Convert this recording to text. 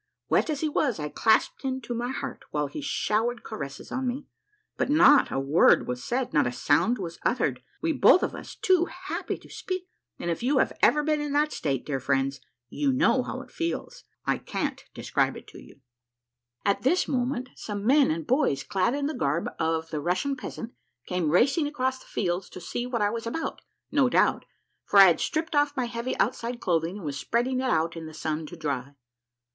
Wet as he was, I clasped him to my heart while he showered caresses on me. But not a Avord was said, not a sound was uttered. We were both of us too happy to speak, and if you have ever been in that state, dear friends, you know how it feels. I can't describe it to you. A MARVELLOUS UNDERGROUND JOURNEY 235 At tins moment some men and boys clad in the garb of the Russian peasant came racing across the fields to see what I was about, no doubt, for I had stripped off my heavy outside cloth ing, and was spreading it out in the sun to dry.